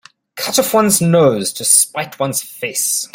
Cut off one's nose to spite one's face.